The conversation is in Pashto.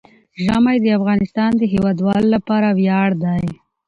ژمی د افغانستان د هیوادوالو لپاره ویاړ دی.